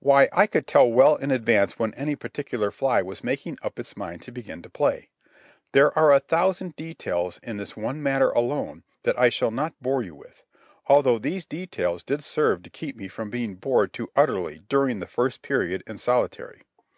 Why, I could tell well in advance when any particular fly was making up its mind to begin to play. There are a thousand details in this one matter alone that I shall not bore you with, although these details did serve to keep me from being bored too utterly during that first period in solitary.